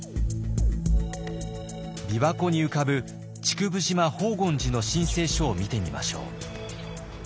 びわ湖に浮かぶ竹生島宝厳寺の申請書を見てみましょう。